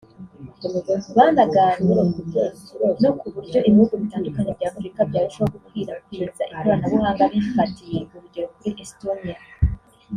banaganiye no ku buryo ibihugu bitandukanye bya Afurika byarushaho gukwirakwiza ikoranabuhanga bifatiye urugero kuri Estonia